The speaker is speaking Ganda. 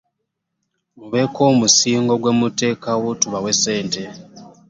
Mubeeko omusingo gwe muteekawo tubawe ssente.